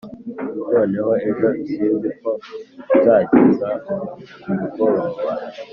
Noneho ejo sinziko nzageza kumugoroba